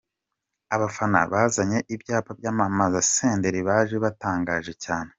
Abafana bazanye ibyapa byamamaza Senderi baje batangaje cyane.